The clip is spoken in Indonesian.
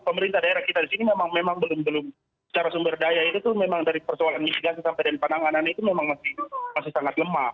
pemerintah daerah kita di sini memang belum secara sumber daya itu memang dari persoalan mitigasi sampai dan penanganan itu memang masih sangat lemah